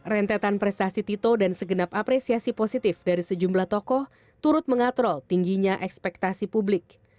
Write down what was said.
rentetan prestasi tito dan segenap apresiasi positif dari sejumlah tokoh turut mengatrol tingginya ekspektasi publik